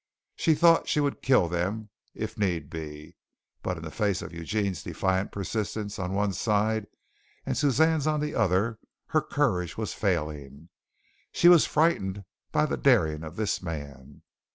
She thought she would kill them if need be, but in the face of Eugene's defiant persistence on one side, and Suzanne's on the other, her courage was failing. She was frightened by the daring of this man.